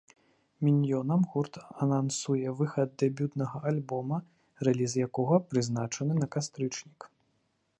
Міньёнам гурт анансуе выхад дэбютнага альбома, рэліз якога прызначаны на кастрычнік.